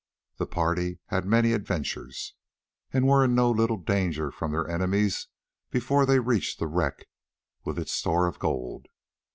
The party had many adventures, and were in no little danger from their enemies before they reached the wreck with its store of gold.